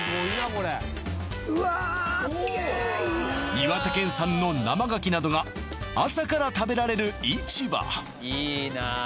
岩手県産の生牡蠣などが朝から食べられる市場